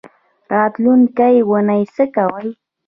راتلونکۍ اونۍ څه کوئ؟